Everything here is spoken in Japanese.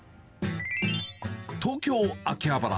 東京・秋葉原。